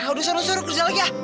udah suruh suruh kerja lo ya